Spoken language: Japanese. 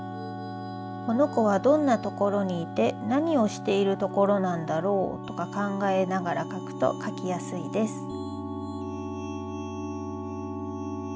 このこはどんなところにいてなにをしているところなんだろうとかかんがえながら描くと描きやすいです。